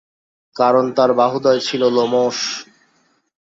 কারণ, তাঁর বাহুদ্বয় ছিল লোমশ।